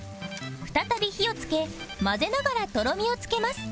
再び火をつけ混ぜながらとろみをつけます